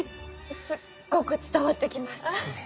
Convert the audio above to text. すっごく伝わってきます。